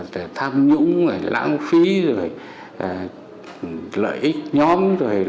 để tham nhũng lãng phí lợi ích nhóm